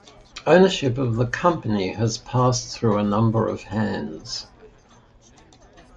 Ownership of the company has passed through a number of hands.